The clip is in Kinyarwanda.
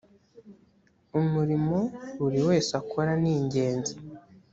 umurimo buri wese akora ningenzi.